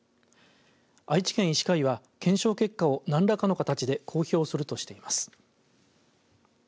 愛知県医師会は検証結果を何らかの形で公表するとしています。